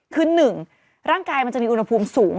คือ๑ร่างกายมันจะมีอุณหภูมิสูง